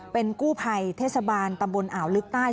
เป็นกู้ภัยเทศบาลตำบลอ่าวลึกใต้